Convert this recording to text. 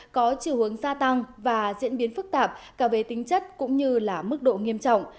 có chiều hướng gia tăng và diễn biến phức tạp cả về tính chất cũng như là mức độ nghiêm trọng